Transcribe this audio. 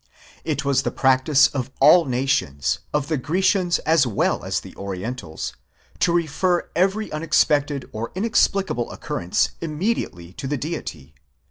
It was the practice of all nations, of the Grecians as well as the Orientals, to refer every unexpected or inexplicable occurrence immediately to the Deity.